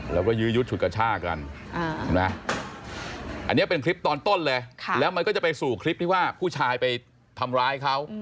แล้วก็ยื้อยุดฉุดกระชากันอันนี้เป็นคลิปตอนต้นเลยแล้วมันก็จะไปสู่คลิปที่ว่าผู้ชายไปทำร้ายเขา